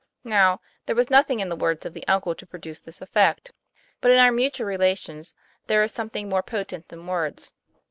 Now, there was nothing in the words of the uncle to produce this effect; but in our mutual relations there is something more potent than words.